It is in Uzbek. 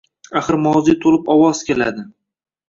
Axir moziy to‘lib ovoz keladi.